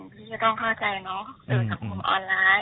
ขอต้องเข้าใจเนาะขึ้นสังคมออนไลน์